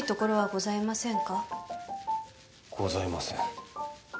ございません。